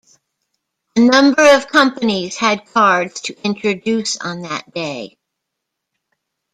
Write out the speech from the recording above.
A number of companies had cards to introduce on that day.